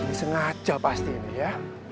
ini sengaja pasti ini ya